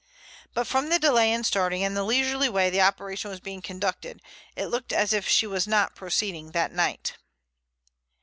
But from the delay in starting and the leisurely way the operation was being conducted, it looked as if she was not proceeding that night.